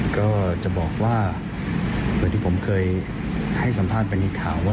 ก็จะบอกว่าเหมือนที่ผมเคยให้สัมภาษณ์ไปในข่าวว่า